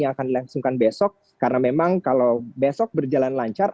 yang akan dilangsungkan besok karena memang kalau besok berjalan lancar